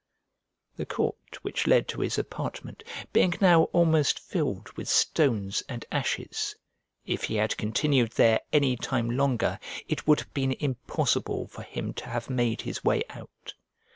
The court which led to his apartment being now almost filled with stones and ashes, if he had continued there any time longer, it would have been impossible for him to have made his way out.